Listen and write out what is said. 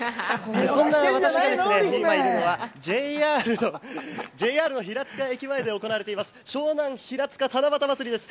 そんな私が今いるのはＪＲの平塚駅前で行われています、湘南ひらつか七夕まつりです。